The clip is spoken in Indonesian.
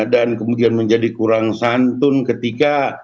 dan kemudian menjadi kurang santun ketika